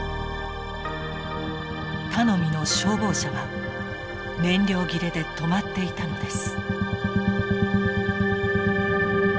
頼みの消防車は燃料切れで止まっていたのです。